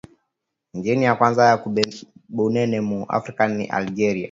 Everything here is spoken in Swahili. Inchi ya kwanza ku bunene mu afrika ni algeria